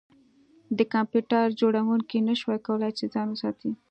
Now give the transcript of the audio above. د کمپیوټر جوړونکي نشوای کولی چې ځان وساتي